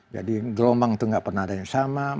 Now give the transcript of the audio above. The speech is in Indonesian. jadi gelombang itu tidak pernah ada yang sama